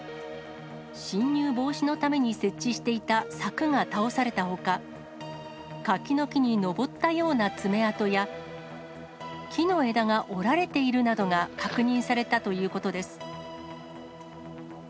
侵入防止のために設置していた柵が倒されたほか、柿の木に登ったような爪痕や、木の枝が折られているなどが確認されたということです。